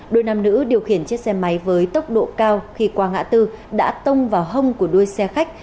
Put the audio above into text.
đôi nam nữ điều khiển chiếc xe máy với tốc độ cao khi qua ngã tư đã tông vào hông của đuôi xe khách